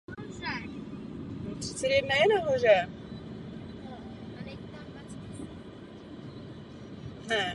Byl nový a občas se vyskytly poruchy.